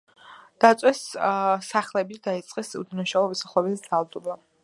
დაწვეს სახლები და დაიწყეს უდანაშაულო მოსახლეობაზე ძალადობა.